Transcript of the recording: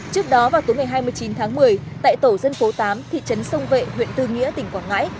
trước đó vào tối ngày hai mươi chín tháng một mươi tại tổ dân phố tám thị trấn sông vệ huyện tư nghĩa tỉnh quảng ngãi